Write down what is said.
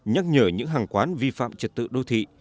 nhắc nhở những hàng quán vi phạm trật tự đô thị